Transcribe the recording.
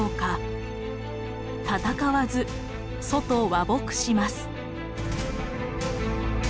戦わず楚と和睦します。